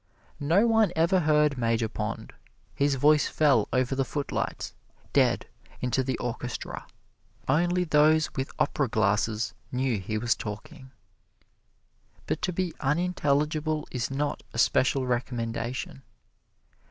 No one ever heard Major Pond: his voice fell over the footlights, dead, into the orchestra; only those with opera glasses knew he was talking. But to be unintelligible is not a special recommendation.